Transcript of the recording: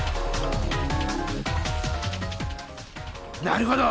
なるほど！